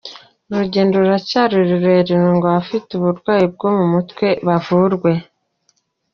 Urugendo ruracyari rurerure ngo abafite uburwayi bwo mu mutwe bavurwe